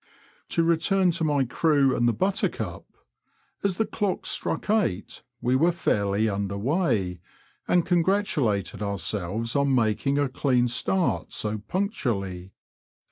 To return to my crew and the Buttercup. As the clock struck eight we were fairly under weigh, and congratulated ourselves on making a clean start so punctually.